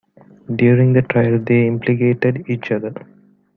During the trial they implicated each other.